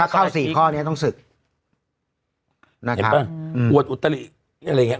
ถ้าเข้าสี่ข้อนี้ต้องศึกเห็นปะอวดอุตตสริกอะไรอย่างเงี้ย